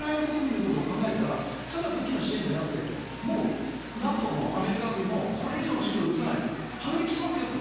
ウクライナ国民のことを考えたらただ、武器の支援ではなくてＮＡＴＯもアメリカ軍もこれ以上の進軍は許さないと反撃しますよと。